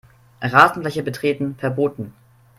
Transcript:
Rasenfläche betreten verboten.